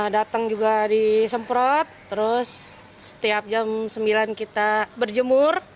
datang juga disemprot terus setiap jam sembilan kita berjemur